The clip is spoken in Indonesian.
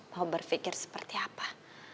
mau berpikir seperti apa